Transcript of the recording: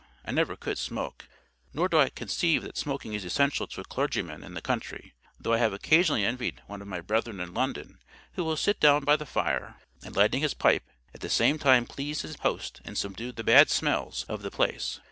I never could smoke. Nor do I conceive that smoking is essential to a clergyman in the country; though I have occasionally envied one of my brethren in London, who will sit down by the fire, and, lighting his pipe, at the same time please his host and subdue the bad smells of the place.